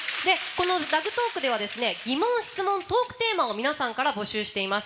この「ラグトーク！」では疑問、質問、トークテーマを皆さんから募集しています。